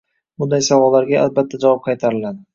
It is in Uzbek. Bunday savollarga albatta javob qaytariladi